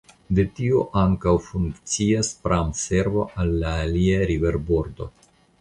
De tio ankaŭ funkcias pramservo al la alia riverbordo.